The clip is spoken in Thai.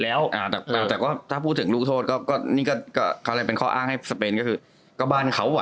แต่ถ้าพูดถึงลุคโทษนี่ก็เป็นข้ออ้างให้สเปนก็คือก็บ้านเค้าอะ